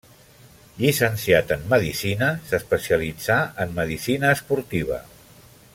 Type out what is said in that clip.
Llicenciat en medicina, s'especialitzà en medicina esportiva.